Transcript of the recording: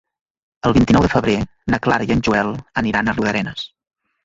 El vint-i-nou de febrer na Clara i en Joel aniran a Riudarenes.